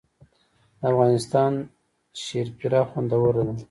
د افغانستان شیرپیره خوندوره ده